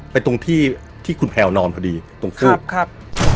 ตรงที่ที่คุณแพลวนอนพอดีตรงฟืบครับ